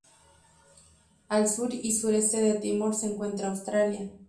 Al sur y sureste de Timor se encuentra Australia.